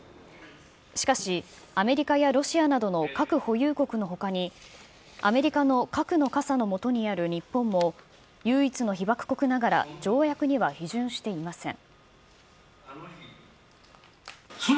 しかし、アメリカやロシアなどの核保有国のほかに、アメリカの核の傘の下にある日本も、唯一の被爆国ながら、条約には批准していません。